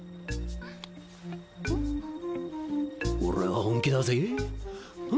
俺は本気だぜ。